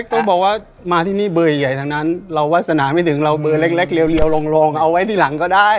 ต้องบอกว่ามาที่นี่เบอร์ใหญ่ทั้งนั้นเราวาสนาไม่ถึงเราเบอร์เล็กเรียวลงเอาไว้ที่หลังก็ได้